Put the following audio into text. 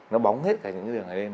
nó bóng hết cả những đường này lên